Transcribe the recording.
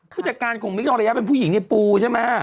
ผู้จัดการของมิคทองระยะเป็นผู้หญิงในปูใช่ไหม